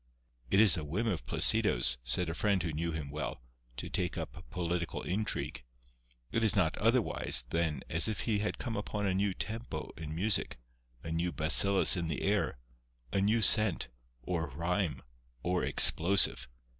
"It is a whim of Placido's," said a friend who knew him well, "to take up political intrigue. It is not otherwise than as if he had come upon a new tempo in music, a new bacillus in the air, a new scent, or rhyme, or explosive.